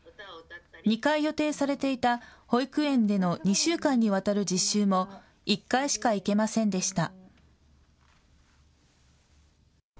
２回予定されていた保育園での２週間にわたる実習も１回しか行けませんでした。